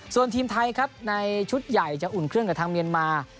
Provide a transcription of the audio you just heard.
ส่วนทีมไทยครับในชุดใหญ่จะอุ่นเครื่องกับทางเมียนมา